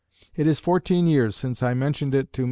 It is fourteen years since I mentioned it to Mr. Smeaton."